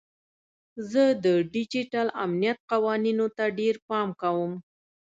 زه د ډیجیټل امنیت قوانینو ته ډیر پام کوم.